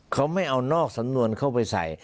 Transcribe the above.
เขาไม่เอานอกสำนวนเข้าไปใส่